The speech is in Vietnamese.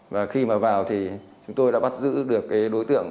và khi mà vào thì chúng tôi đã bắt giữ được cái đối tượng